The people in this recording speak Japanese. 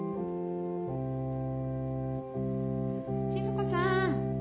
静子さん。